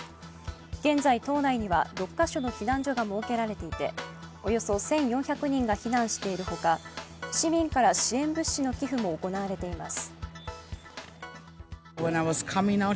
現在、島内には６か所の避難所が設けられていて、およそ１４００人が避難しているほか、市民から支援物資の寄付も行われています。